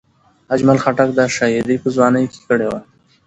اجمل خټک دا شاعري په ځوانۍ کې کړې وه.